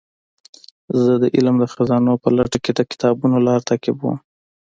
زه د علم د خزانو په لټه کې د کتابونو لار تعقیبوم.